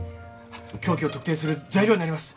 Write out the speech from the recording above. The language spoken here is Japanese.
凶器を特定する材料になります。